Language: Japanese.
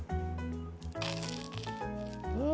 うん！